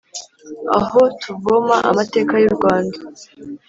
aho tuvoma amateka y’u rwanda,